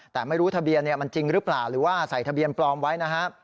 แต่ไม่รู้ทะเบียนมันจริงหรือเปล่าหรือว่าใส่ทะเบียนปลอมไว้นะฮะ